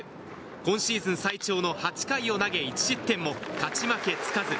今シーズン最長の８回を投げ、１失点も勝ち負けつかず。